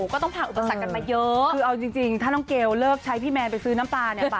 ก็ต้องผ่าอุปสรรคกันมาเยอะ